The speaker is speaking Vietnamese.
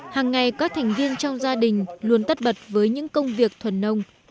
hàng ngày các thành viên trong gia đình luôn tất bật với những công việc thuần nông